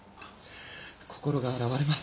心が洗われます